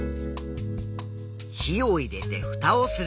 火を入れてふたをする。